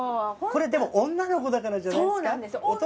これでも女の子だからじゃないですか？